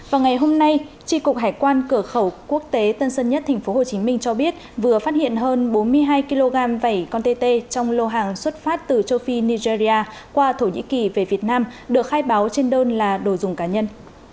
vào ngày hôm nay tri cục hải quan cửa khẩu quốc tế tân sơn nhất tp hcm cho biết vừa phát hiện hơn bốn mươi hai kg vẩy con tê trong lô hàng xuất phát từ châu phi nigeria qua thổ nhĩ kỳ về việt nam được khai báo trên đơn là đồ dùng cá nhân